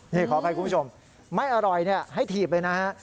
นี่ขออภัยคุณผู้ชมไม่อร่อยให้ถีบเลยนะฮะ